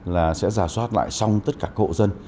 là sẽ giả soát lại xong tất cả cộ dân